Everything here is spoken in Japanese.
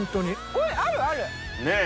これあるある！ねえ。